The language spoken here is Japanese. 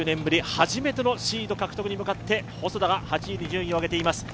初めてのシード獲得に向かって細田が８位順位を上げています。